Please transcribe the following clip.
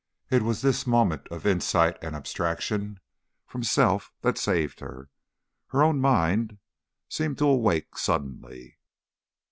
It was this moment of insight and abstraction from self that saved her. Her own mind seemed to awake suddenly.